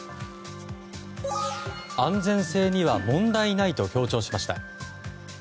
安全性には問題ないと強調しました。